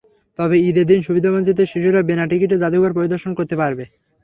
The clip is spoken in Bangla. তবে ঈদের দিন সুবিধাবঞ্চিত শিশুরা বিনা টিকিটে জাদুঘর পরিদর্শন করতে পারবে।